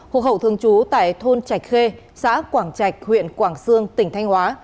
hộp hậu thương chú tại thôn trạch khê xã quảng trạch huyện quảng dương tỉnh thanh hóa